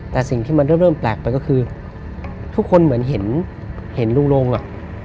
ที่เหมือนเห็นลูงอะ